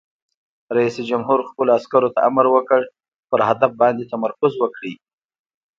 رئیس جمهور خپلو عسکرو ته امر وکړ؛ پر هدف باندې تمرکز وکړئ!